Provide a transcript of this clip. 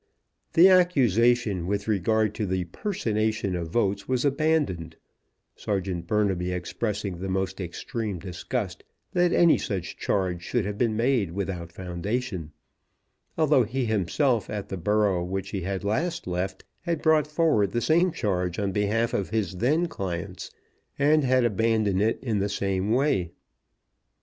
The accusation with regard to the personation of votes was abandoned, Serjeant Burnaby expressing the most extreme disgust that any such charge should have been made without foundation, although he himself at the borough which he had last left had brought forward the same charge on behalf of his then clients, and had abandoned it in the same way.